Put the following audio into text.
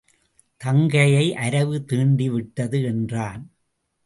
தங்கையை அரவு தீண்டிவிட்டது என்றான்.